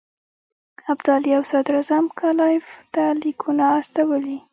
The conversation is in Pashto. ابدالي او صدراعظم کلایف ته لیکونه استولي.